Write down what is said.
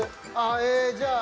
ええじゃあ。